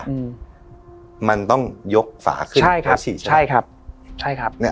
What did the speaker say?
อืมมันต้องยกฝาขึ้นใช่ครับฉีกใช่ครับใช่ครับเนี้ย